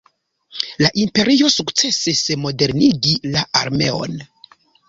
La Imperio sukcesis modernigi la armeon.